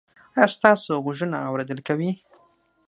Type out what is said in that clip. ایا ستاسو غوږونه اوریدل کوي؟